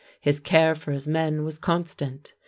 His care for his men was constant.